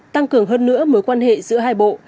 tăng cường hơn nữa mối quan hệ giữa hai bộ